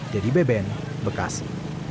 dedy beben bekasi